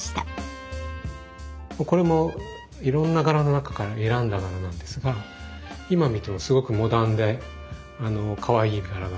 これもいろんな柄の中から選んだ柄なんですが今見てもすごくモダンでかわいい柄だなと思います。